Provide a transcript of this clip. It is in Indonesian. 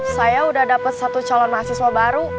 saya udah dapat satu calon mahasiswa baru